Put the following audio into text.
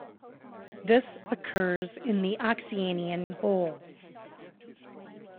This occurs in the oxyanion hole.